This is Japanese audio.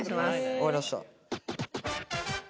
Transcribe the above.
分かりました。